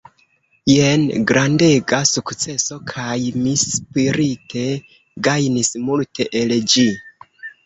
Jen grandega sukceso kaj mi spirite gajnis multe el ĝi.